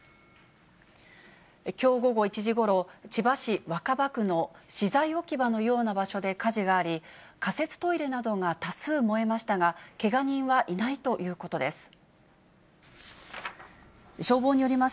きょう午後１時ごろ、千葉市若葉区の資材置き場のような場所で火事があり、仮設トイレなどが多数燃えましたが、けが人はいないということです。